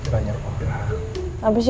gendong masalahkan biasanya